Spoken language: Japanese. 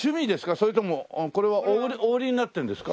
それともこれはお売りになってるんですか？